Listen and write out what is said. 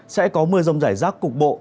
sẽ có mưa rông giải rác cục bộ